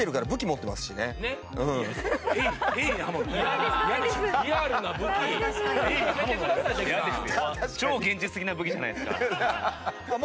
超現実的な武器じゃないですか。